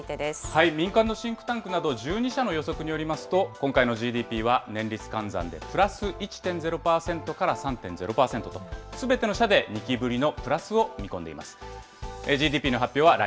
民間のシンクタンクなど１２社の予測によりますと、今回のＧＤＰは年率換算でプラス１．０％から３．０％と、すべての社で２期ぶりのプラスを見込んでいます。